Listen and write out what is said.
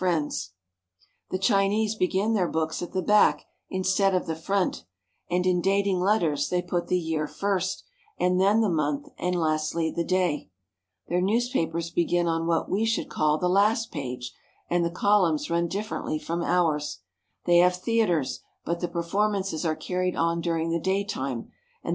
The Chinese women are proud of their small feet —" The Chinese begin their books at the back instead of the front, and in dating letters they put the year first, and then the month, and lastly the day. Their newspapers begin on what we should call the last page, and the columns run dif ferently from ours. They have theaters, but the perform ances are carried on during the daytime; and they are CARP.